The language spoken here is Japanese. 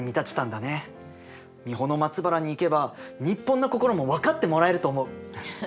三保松原に行けば日本の心も分かってもらえると思う。